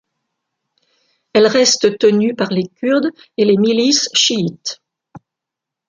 Elle reste tenue par les Kurdes et les milices chiites.